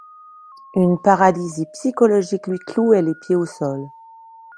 Une paralysie psychologique lui clouait les pieds au sol.